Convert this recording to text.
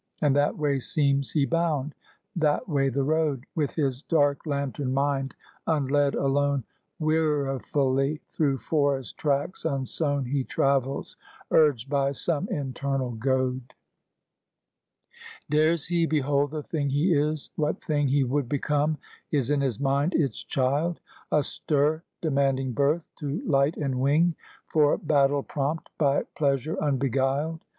And that way seems he bound; that way the road, With his dark lantern mind, unled, alone, Wearifully through forest tracts unsown, He travels, urged by some internal goad. Dares he behold the thing he is, what thing He would become is in his mind its child; Astir, demanding birth to light and wing; For battle prompt, by pleasure unbeguiled.